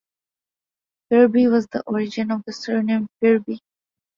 Firby was the origin of the surname Firby.